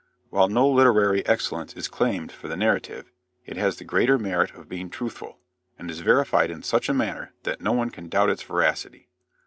While no literary excellence is claimed for the narrative, it has the greater merit of being truthful, and is verified in such a manner that no one can doubt its veracity.